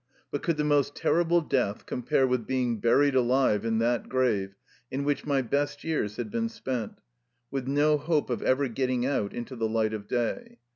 But could the most terrible death compare with being buried alive in that grave in which my best years had been spent, with no hope of ever getting out into the light of day?